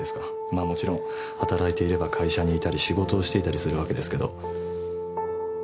まあもちろん働いていれば会社にいたり仕事をしていたりするわけですけど。